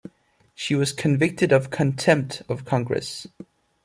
She was convicted of contempt of Congress.